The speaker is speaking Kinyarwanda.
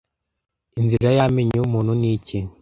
Inzira y'amenyo y'umuntu ni iki